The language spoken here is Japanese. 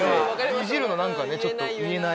イジるの何かねちょっと言えない。